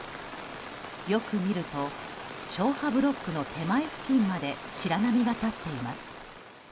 よく見ると消波ブロックの手前付近まで白波が立っています。